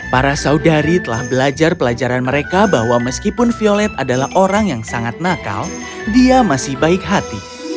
para saudari telah belajar pelajaran mereka bahwa meskipun violet adalah orang yang sangat nakal dia masih baik hati